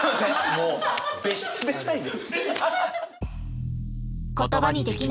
もう別室で２人で。